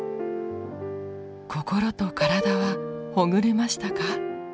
心と体はほぐれましたか？